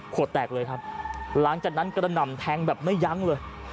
ขวดแตกเลยครับหลังจากนั้นกระหน่ำแทงแบบไม่ยั้งเลย